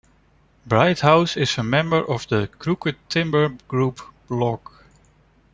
Brighouse is a member of the Crooked Timber group blog.